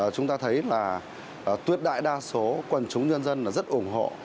chúng ta thấy tuyệt đại đa số quần chúng dân dân rất ủng hộ